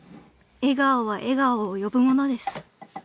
［笑顔は笑顔を呼ぶものです］